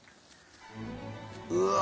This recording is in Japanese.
うわ！